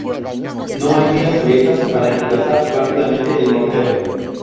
No hay miras abiertas para emplazar rápidamente el mortero.